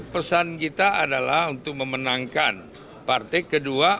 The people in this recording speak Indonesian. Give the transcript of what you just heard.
pesan kita adalah untuk memenangkan partai kedua